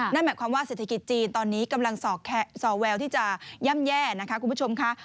นั่นหมายความว่าเศรษฐกิจจีนตอนนี้กำลังสอแววที่จะย่ำแย่นะคะคุณผู้ชมค่ะ